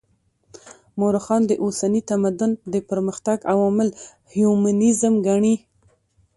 مؤرخان د اوسني تمدن د پرمختګ عوامل هیومنيزم ګڼي.